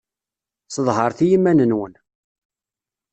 Sḍehret i yiman-nwen.